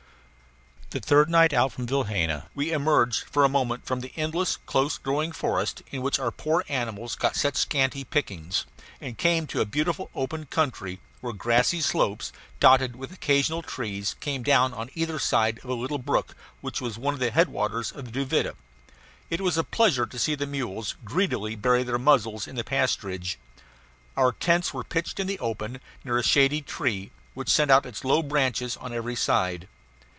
The third night out from Vilhena we emerged for a moment from the endless close growing forest in which our poor animals got such scanty pickings, and came to a beautiful open country, where grassy slopes, dotted with occasional trees, came down on either side of a little brook which was one of the headwaters of the Duvida. It was a pleasure to see the mules greedily bury their muzzles in the pasturage. Our tents were pitched in the open, near a shady tree, which sent out its low branches on every side.